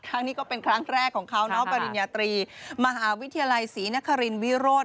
ครั้งนี้ก็เป็นครั้งแรกของเขาเนาะปริญญาตรีมหาวิทยาลัยศรีนครินวิโรธ